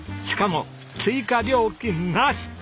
しかも追加料金なし！